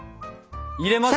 入れますよ。